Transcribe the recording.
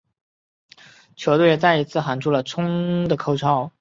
球队也再一次喊出了冲超口号。